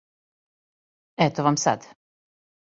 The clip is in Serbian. Ето вам сад.